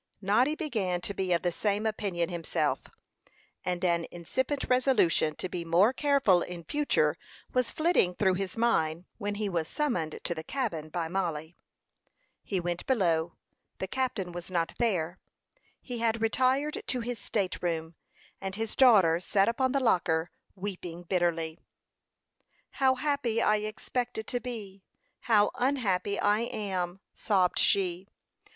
Noddy began to be of the same opinion himself; and an incipient resolution to be more careful in future was flitting through his mind, when he was summoned to the cabin by Mollie. He went below; the captain was not there he had retired to his state room; and his daughter sat upon the locker, weeping bitterly. "How happy I expected to be! How unhappy I am!" sobbed she.